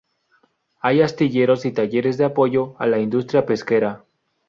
Hay astilleros y talleres de apoyo a la industria pesquera.